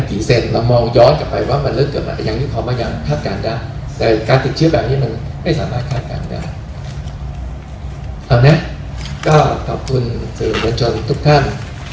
ก็ขอบคุณสิ่งประชาชนทุกท่าน